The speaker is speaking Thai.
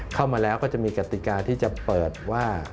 เข้ามาแล้วก็จะมีกติกาที่จะเปิดว่า